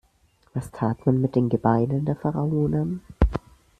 Was tat man mit den Gebeinen der Pharaonen?